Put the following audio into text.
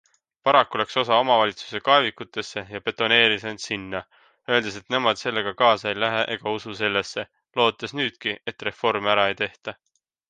Paraku läks osa omavalitsusi kaevikutesse ja betoneeris end sinna, öeldes, et nemad sellega kaasa ei lähe ega usu sellesse, lootes nüüdki, et reformi ära ei tehta.